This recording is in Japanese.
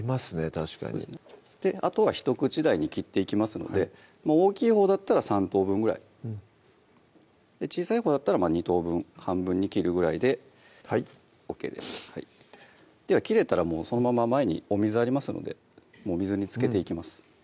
確かにあとは１口大に切っていきますので大きいほうだったら３等分ぐらい小さいほうだったら２等分半分に切るぐらいではいＯＫですでは切れたらもうそのまま前にお水ありますのでもう水につけていきます